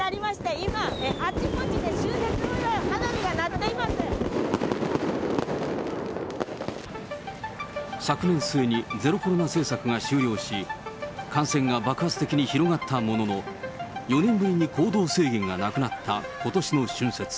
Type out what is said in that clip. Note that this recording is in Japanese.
今、あちこちで春節を祝う花火が昨年末に、ゼロコロナ政策が終了し、感染が爆発的に広がったものの、４年ぶりに行動制限がなくなったことしの春節。